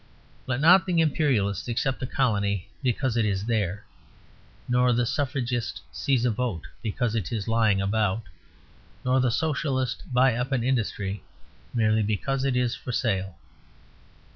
Let not the Imperialist accept a colony because it is there, nor the Suffragist seize a vote because it is lying about, nor the Socialist buy up an industry merely because it is for sale.